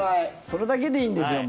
それだけでいいんですよ